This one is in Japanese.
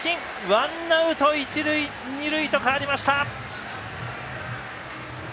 ワンアウト、一塁二塁と変わりました。